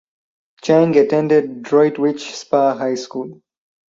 Chang attended Droitwich Spa High School.